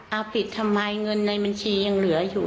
เอาปิดทำไมเงินในบัญชียังเหลืออยู่